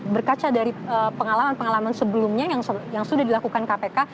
berkaca dari pengalaman pengalaman sebelumnya yang sudah dilakukan kpk